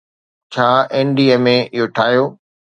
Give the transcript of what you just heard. ڇا NDMA اهو ٺاهيو؟